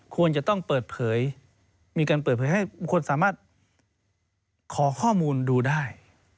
ควรจะต้องเปิดเผยมีการเปิดเผยให้คนสามารถขอข้อมูลดูได้